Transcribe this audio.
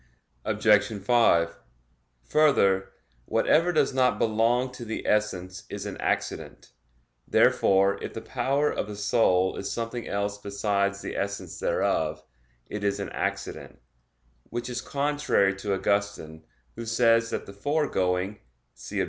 Obj. 5: Further, whatever does not belong to the essence is an accident. Therefore if the power of the soul is something else besides the essence thereof, it is an accident, which is contrary to Augustine, who says that the foregoing (see Obj.